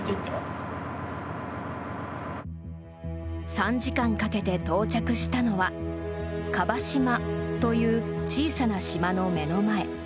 ３時間かけて到着したのは椛島という小さな島の目の前。